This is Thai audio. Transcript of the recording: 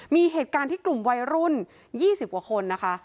มีเหตุการณ์ที่กลุ่มวัยรุ่น๒๐กว่าคนนะคะ